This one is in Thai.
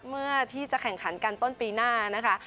เมื่อที่จะแข่งขันกันต้นปีหน้านะคะ